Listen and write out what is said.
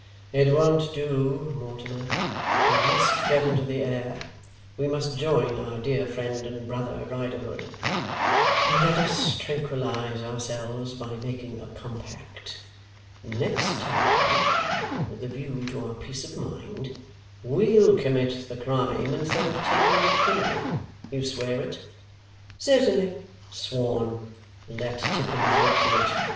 'It won't do, Mortimer. We must get into the air; we must join our dear friend and brother, Riderhood. And let us tranquillize ourselves by making a compact. Next time (with a view to our peace of mind) we'll commit the crime, instead of taking the criminal. You swear it?' 'Certainly.' 'Sworn! Let Tippins look to it.